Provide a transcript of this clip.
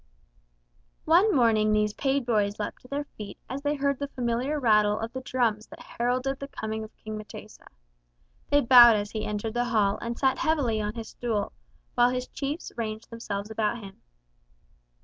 One morning these page boys leapt to their feet as they heard the familiar rattle of the drums that heralded the coming of King M'tesa. They bowed as he entered the hall and sat heavily on his stool, while his chiefs ranged themselves about him.